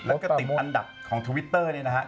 แล้วก็ติดอันดับของทวิตเตอร์เนี่ยนะฮะ